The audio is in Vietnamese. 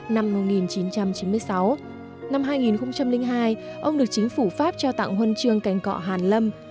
năm một nghìn chín trăm chín mươi sáu ông được chính phủ pháp trao tặng huân trường cành cọ hàn lâm